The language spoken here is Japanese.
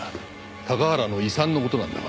高原の遺産の事なんだが。